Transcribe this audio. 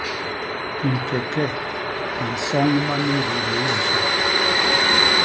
ñkeke a nsoñba ni ñguy yéé yosô.